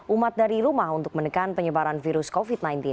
umat dari rumah untuk menekan penyebaran virus covid sembilan belas